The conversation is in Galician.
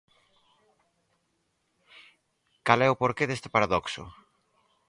Cal é o porqué deste paradoxo?